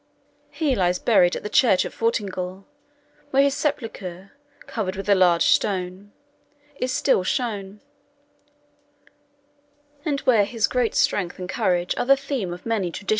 He lies buried at the church of Fortingal, where his sepulchre, covered with a large stone,* is still shown, and where his great strength and courage are the theme of many traditions.